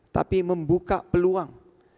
tapi membuka peluang